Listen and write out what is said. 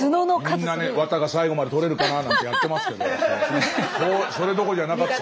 みんなねわたが最後まで取れるかななんてやってますけどそれどころじゃなかった。